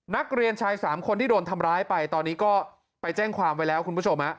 นักเรียนชาย๓คนที่โดนทำร้ายไปตอนนี้ก็ไปแจ้งความไว้แล้วคุณผู้ชม